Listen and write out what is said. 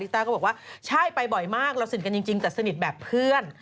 ต้าก็บอกว่าใช่ไปบ่อยมากเราสนิทกันจริงแต่สนิทแบบเพื่อน